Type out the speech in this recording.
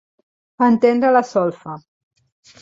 Entendre la solfa.